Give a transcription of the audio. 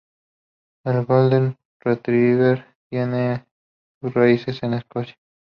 El golden retriever tiene sus raíces en Escocia.